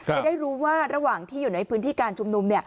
จะได้รู้ว่าระหว่างที่อยู่ในพื้นที่การชุมนุม